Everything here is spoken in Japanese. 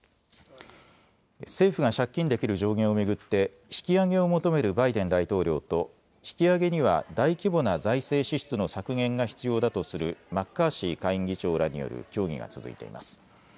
政府が借金できる上限を巡って引き上げを求めるバイデン大統領と、引き上げには大規模な財政支出の削減が必要だとするマッカーシー下院議長らによる協議が続いています。